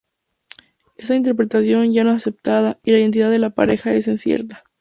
Esta interpretación ya no es aceptada, y la identidad de la pareja es incierta.